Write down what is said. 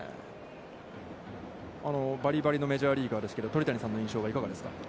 ばりばりのメジャーリーガーですけど鳥谷さんの印象はいかがですか。